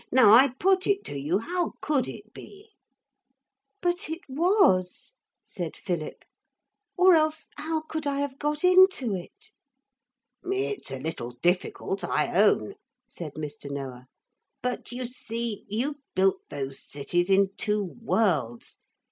Now I put it to you how could it be?' 'But it was,' said Philip, 'or else how could I have got into it.' 'It's a little difficult, I own,' said Mr. Noah. 'But, you see, you built those cities in two worlds.